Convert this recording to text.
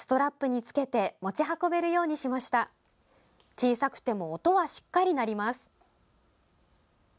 小さくても音はしっかり鳴ります。